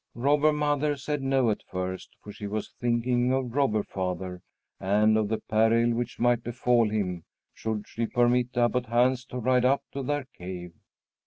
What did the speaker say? Robber Mother said no at first, for she was thinking of Robber Father and of the peril which might befall him should she permit Abbot Hans to ride up to their cave.